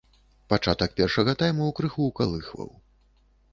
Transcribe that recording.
Пачатак першага тайму крыху ўкалыхваў.